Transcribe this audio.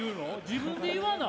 自分で言わな！